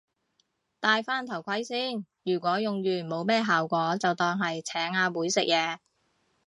戴返頭盔先，如果用完冇咩效果就當係請阿妹食嘢